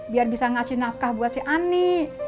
biar bisa ngasih nafkah buat si ani